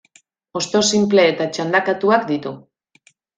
Hosto sinple eta txandakatuak ditu.